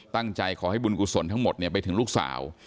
ตั้งใจขอให้บุญกุศลทั้งหมดไปถึงลูกสาว